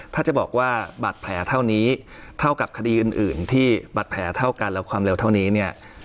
ถ้าจะบอกว่าบาดแผลเท่านี้เท่ากับคดีอื่นที่บาดแผลเท่ากันและความเร็วเท่านี้เนี่ย